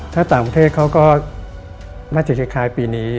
ถ้าต่างประเทศเขาก็น่าจะคล้ายปีนี้